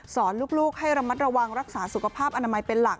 ลูกให้ระมัดระวังรักษาสุขภาพอนามัยเป็นหลัก